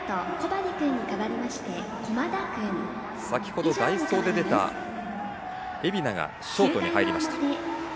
先ほど代走で出た蝦名がショートに入りました。